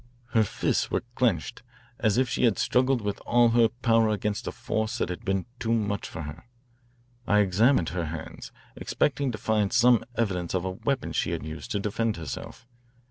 Her fists were clenched, as if she had struggled with all her power against a force that had been too much for her. I examined her hands, expecting to find some evidence of a weapon she had used to defend herself.